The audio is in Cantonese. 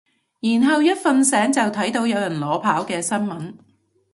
然後一瞓醒就睇到有人裸跑嘅新聞